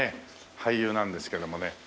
俳優なんですけどもね。